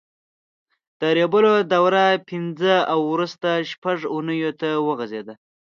د ریبلو دوره پینځه او وروسته شپږ اوونیو ته وغځېده.